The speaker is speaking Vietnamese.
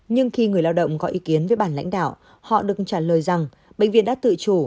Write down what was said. nhưng khi người lao động có ý kiến với bản lãnh đạo họ được trả lời rằng bệnh viện đã tự chủ